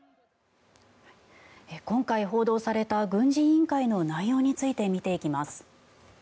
今回、報道された軍事委員会の内容について見ていきます。